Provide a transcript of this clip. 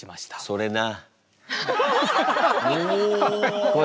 それな。